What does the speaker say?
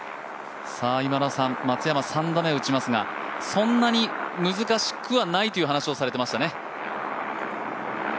松山、３打目を打ちますがそんなに難しくはないという話をされていましたね。